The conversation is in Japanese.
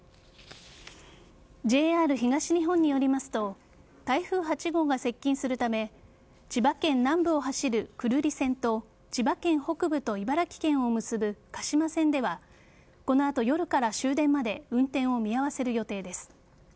ＪＲ東日本によりますと台風８号が接近するため千葉県南部を走る久留里線と千葉県北部と茨城県を結ぶ鹿島線ではこの後、夜から終電まで運転を見合わせる予定です。